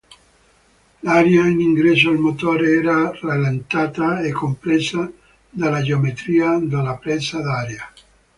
L'aria in ingresso al motore era rallentata e compressa dalla geometria della presa d'aria.